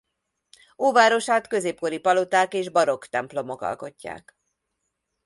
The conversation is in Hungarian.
Óvárosát középkori paloták és barokk templomok alkotják.